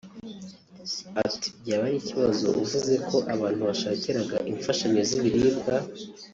ati “ byaba ari ikibazo uvuze ko abantu washakiraga imfashanyo z’ibiribwa